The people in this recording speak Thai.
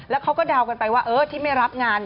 แล้วเขาก็เดากันไปว่าที่ไม่รับงาน